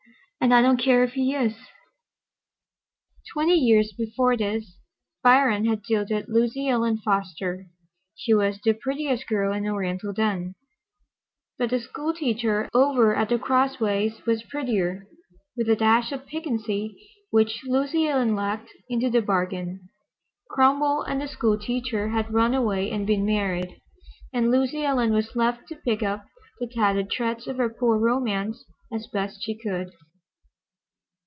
"And I don't care if he is." Twenty years before this, Biron had jilted Lucy Ellen Foster. She was the prettiest girl in Oriental then, but the new school teacher over at the Crossways was prettier, with a dash of piquancy, which Lucy Ellen lacked, into the bargain. Cromwell and the school teacher had run away and been married, and Lucy Ellen was left to pick up the tattered shreds of her poor romance as best she could.